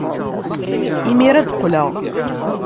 Imir-a ad d-qqleɣ.